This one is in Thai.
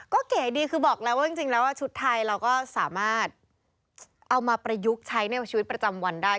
ก็เก๋ดีคือบอกแล้วว่าจริงแล้วชุดไทยเราก็สามารถเอามาประยุกต์ใช้ในชีวิตประจำวันได้